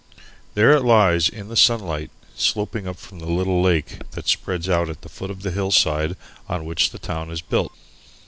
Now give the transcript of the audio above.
There it lies in the sunlight, sloping up from the little lake that spreads out at the foot of the hillside on which the town is built.